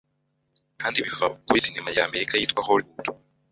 kandi biva kuri cinema y’Amerika yitwa Hollywood.